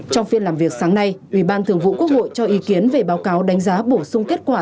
trong phiên làm việc sáng nay ubthq cho ý kiến về báo cáo đánh giá bổ sung kết quả